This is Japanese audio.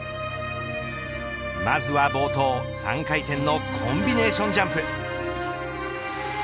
まずは冒頭３回転のコンビネーションジャンプ。